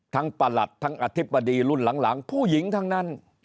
ประหลัดทั้งอธิบดีรุ่นหลังผู้หญิงทั้งนั้น